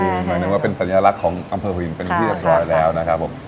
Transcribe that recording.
นี่หมายนึกว่าเป็นสัญลักษณ์ของอำเภอผู้หญิงเป็นที่มีถอยแล้วนะครับผม